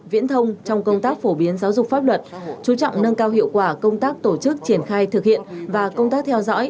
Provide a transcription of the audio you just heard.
viễn thông trong công tác phổ biến giáo dục pháp luật chú trọng nâng cao hiệu quả công tác tổ chức triển khai thực hiện và công tác theo dõi